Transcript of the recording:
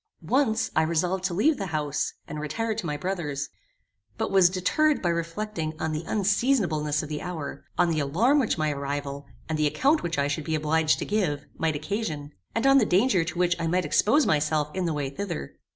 Once I resolved to leave the house, and retire to my brother's, but was deterred by reflecting on the unseasonableness of the hour, on the alarm which my arrival, and the account which I should be obliged to give, might occasion, and on the danger to which I might expose myself in the way thither.